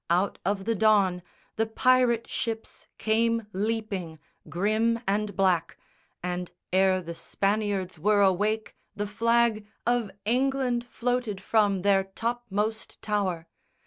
Out of the dawn The pirate ships came leaping, grim and black, And ere the Spaniards were awake, the flag Of England floated from their topmost tower.